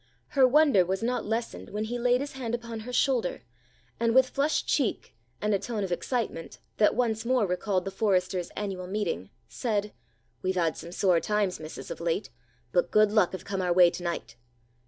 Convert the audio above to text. Her wonder was not lessened when he laid his hand upon her shoulder, and, with flushed cheek and a tone of excitement that once more recalled the Foresters' annual meeting, said, "We've had some sore times, missus, of late, but good luck have come our way to night."